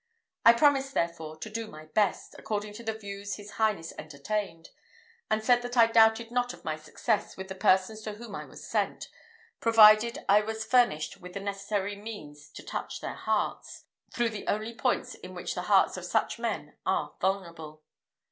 I promised, therefore, to do my best, according to the views his highness entertained; and said that I doubted not of my success with the persons to whom I was sent, provided I was furnished with the necessary means to touch their hearts, through the only points in which the hearts of such men are vulnerable.